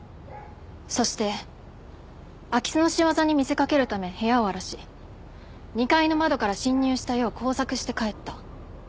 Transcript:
そして空き巣の仕業に見せかけるため部屋を荒らし２階の窓から侵入したよう工作して帰った。